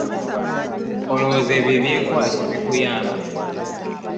Olowooza ebyo ebyekwaso bikuyamba?